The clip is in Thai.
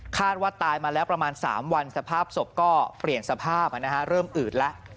ว่าตายมาแล้วประมาณ๓วันสภาพศพก็เปลี่ยนสภาพเริ่มอืดแล้ว